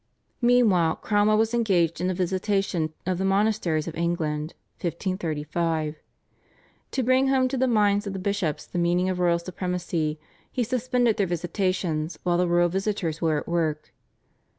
Meanwhile Cromwell was engaged in a visitation of the monasteries of England (1535). To bring home to the minds of the bishops the meaning of royal supremacy, he suspended their visitations while the royal visitors were at work.